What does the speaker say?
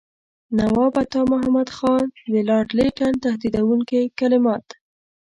نواب عطامحمد خان د لارډ لیټن تهدیدوونکي کلمات.